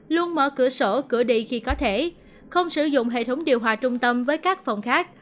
luôn mở cửa sổ cửa đi khi có thể không sử dụng hệ thống điều hòa trung tâm với các phòng khác